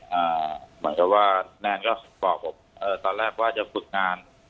เหมือนกับว่าแนนก็บอกผมเอ่อตอนแรกว่าจะฝึกงาน